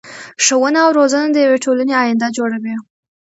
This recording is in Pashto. ښوونه او روزنه د يو ټولنی اينده جوړوي .